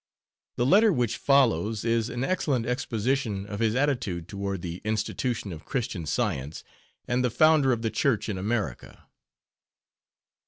The letter which follows is an excellent exposition of his attitude toward the institution of Christian Science and the founder of the church in America.